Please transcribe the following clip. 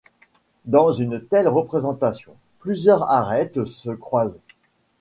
Dans une telle représentation, plusieurs arêtes se croisent.